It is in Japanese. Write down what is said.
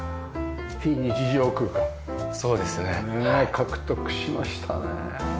獲得しましたねえ。